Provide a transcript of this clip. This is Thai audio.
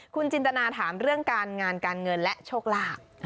คุณจินตนาถามเรื่องการงานการเงินและโชคลาภ